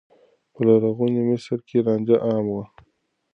په لرغوني مصر کې رانجه عام و.